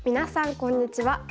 こんにちは。